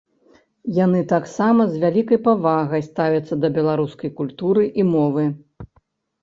Яны таксама з вялікай павагай ставяцца да беларускай культуры і мовы.